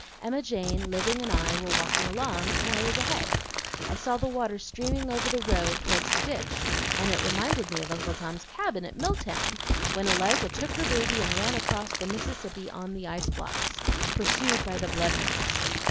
Emma Jane, Living, and I were walking along, and I was ahead. I saw the water streaming over the road towards the ditch, and it reminded me of Uncle Tom's Cabin at Milltown, when Eliza took her baby and ran across the Mississippi on the ice blocks, pursued by the bloodhounds.